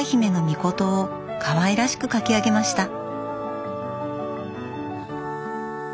命をかわいらしく描き上げました。